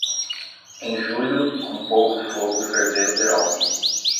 Em julho, com pouco fogo ferver o perol.